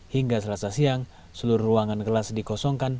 hingga selasa siang seluruh ruangan kelas dikosongkan